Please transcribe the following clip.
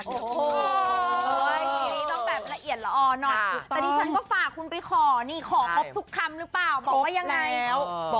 แต่ดิฉันก็ฝากคุณไปขอขอครบทุกคำหรือเปล่า